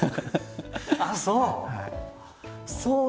ああそう。